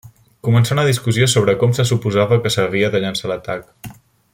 Començà una discussió sobre com se suposava que s'havia de llançar l'atac.